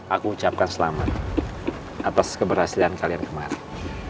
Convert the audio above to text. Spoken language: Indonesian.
aku ucapkan selamat atas keberhasilan kalian kemarin